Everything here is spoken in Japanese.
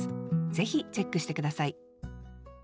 ぜひチェックして下さい。